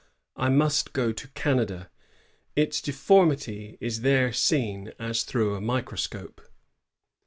I must go to Can ada. Its deformity is there seen as through a microscope."